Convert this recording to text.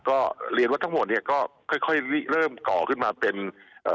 ก็เรียนว่าทั้งหมดเนี้ยก็ค่อยค่อยเริ่มก่อขึ้นมาเป็นเอ่อ